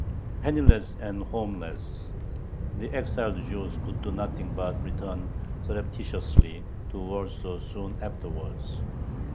Penniless and homeless, the exiled Jews could do nothing but return surreptitiously to Warsaw soon afterwards.